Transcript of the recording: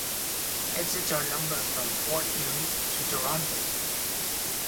Exits are numbered from Fort Erie to Toronto.